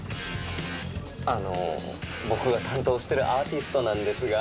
あの、僕が担当してるアーティストなんですが。